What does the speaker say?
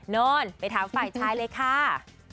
โน่นไปถามฝ่ายชายเลยค่ะ